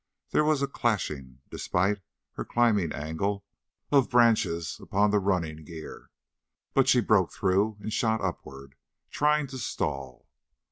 There was a clashing, despite her climbing angle, of branches upon the running gear, but she broke through and shot upward, trying to stall.